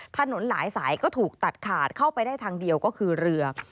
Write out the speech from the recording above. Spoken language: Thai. ถนนหลายสายก็ถูกตัดขาดเข้าไปได้ทางเดียวก็คือเรือ